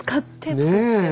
ねえ？